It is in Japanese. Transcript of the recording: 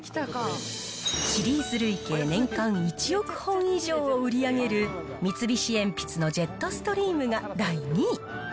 シリーズ累計年間１億本以上を売り上げる三菱鉛筆のジェットストリームが第２位。